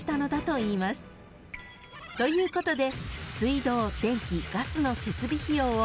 ［ということで］